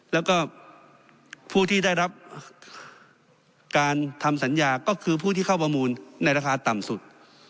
แล้วก็ผู้ที่ได้รับการทำสัญญาก็คือผู้ที่เข้าประมูลในราคาต่ำสุด